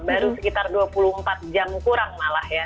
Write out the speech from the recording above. baru sekitar dua puluh empat jam kurang malah ya